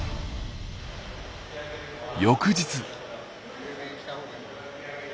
翌日。